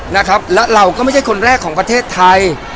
นะครับแล้วเราก็ไม่ใช่คนแรกของประเทศไทย